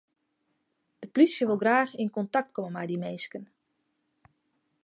De plysje wol graach yn kontakt komme mei dy minsken.